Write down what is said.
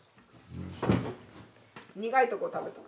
苦いとこ食べたら。